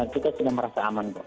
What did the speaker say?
kita sudah merasa aman kok